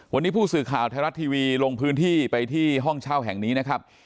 วันนี้ผู้สื่อข่าวไทยรัฐทีวีลงพื้นที่ไปที่ห้องเช่าแห่งนี้นะครับ